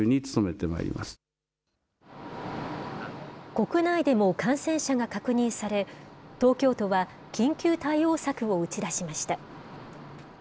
国内でも感染者が確認され、東京都は緊急対応策を打ち出しました。